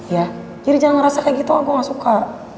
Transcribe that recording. ya jadi jangan ngerasa kayak gitu aku gak suka